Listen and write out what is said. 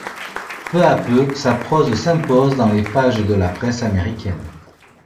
Peu à peu sa prose s'impose dans les pages de la presse américaine.